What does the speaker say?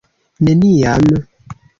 Neniam!